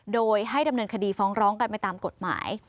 โดยให้ดำเนินคดีฟ้องร้องกันไปตามกฎหมาย